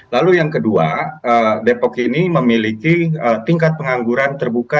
lalu yang kedua depok ini memiliki tingkat pengangguran terbuka